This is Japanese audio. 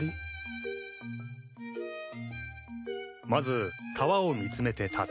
まず川を見詰めて立つ。